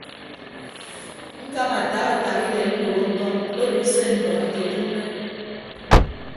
Ñkama ataha ataha idem ndәgho mbọk odo usen mbọk ete tịmme.